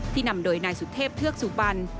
ที่นำโดยนายสุเทพเทือกซุปวัน